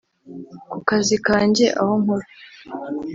ku kazi kanjye aho nkora